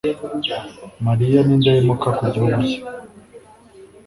Mariya ni indahemuka ku gihugu cye